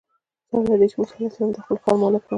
سره له دې چې موسی علیه السلام د خپل ښار ملک هم نه و.